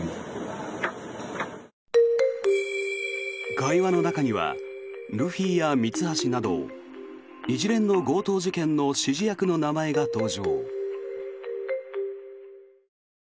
会話の中にはルフィやミツハシなど一連の強盗事件の指示役の名前が登場。